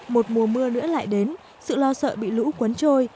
một mùa mưa nữa lại đến sự lo sợ bị lũ cuốn trôi